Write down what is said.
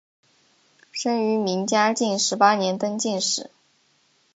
生于明嘉靖十八年登进士。